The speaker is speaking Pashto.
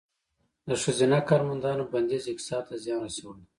د ښځینه کارمندانو بندیز اقتصاد ته زیان رسولی؟